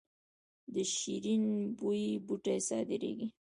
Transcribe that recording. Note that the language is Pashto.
د شیرین بویې بوټی صادریږي